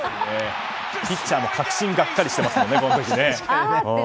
ピッチャーも確信がっかりしてますね。